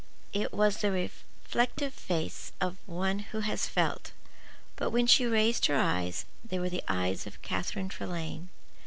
It was the reflective face of one who has felt; but when she raised her eyes they were the eyes of Catherine Trelane.